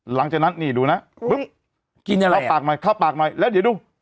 หลังจากนั้นนี่ดูนะกินอะไรอ่ะข้าวปากใหม่ข้าวปากใหม่แล้วเดี๋ยวดู